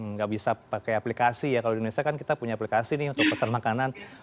nggak bisa pakai aplikasi ya kalau di indonesia kan kita punya aplikasi nih untuk pesan makanan